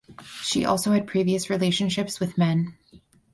She also had previous relationships with men.